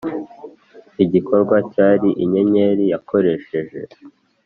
igikorwa cyari inyenyeri yakoresheje?